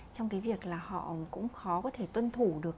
trong cái việc là họ cũng khó có thể tuân thủ được